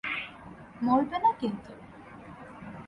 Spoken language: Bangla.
মরবে না কিন্তু।